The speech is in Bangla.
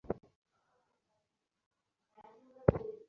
মনে রেখো, আমাদিগকে এক সময় একটিমাত্র কাজ নিয়ে পড়ে থাকতে হবে।